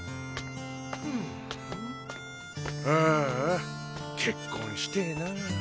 ああ結婚してぇなぁ。